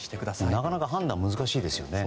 なかなか判断が難しいですよね。